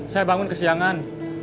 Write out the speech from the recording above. saya bangun kesiangan